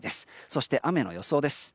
そして、雨の予想です。